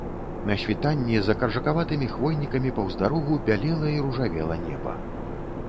На світанні за каржакаватымі хвойнікамі паўз дарогу бялела і ружавела неба.